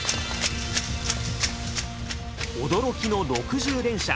驚きの６０連射。